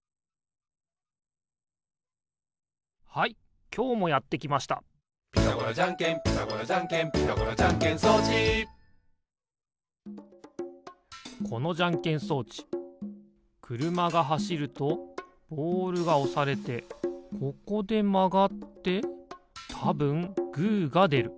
はいきょうもやってきました「ピタゴラじゃんけんピタゴラじゃんけん」「ピタゴラじゃんけん装置」このじゃんけん装置くるまがはしるとボールがおされてここでまがってたぶんグーがでる。